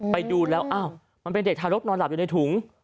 ไปดูแล้วอ้าวมันเป็นเด็กทารกนอนหลับอยู่ในถุง